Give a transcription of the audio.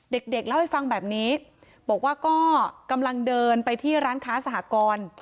เด็กเล่าให้ฟังแบบนี้บอกว่าก็กำลังเดินไปที่ร้านค้าสหกร